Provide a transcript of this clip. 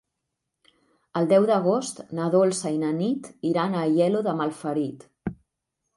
El deu d'agost na Dolça i na Nit iran a Aielo de Malferit.